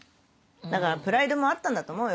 だからプライドもあったんだと思うよ。